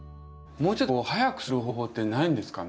もうちょっと早くする方法ってないんですかね？